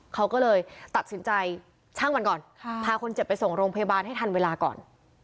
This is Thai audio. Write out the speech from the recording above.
เขาก็เลยตัดสินใจช่างมันก่อนพาคนเจ็บไปส่งโรงพยาบาลให้ทันเวลาก่อน